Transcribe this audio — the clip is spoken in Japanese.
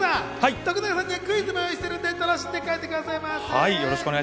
徳永さんにはクイズもご用意してますので楽しんでいってくださいませ。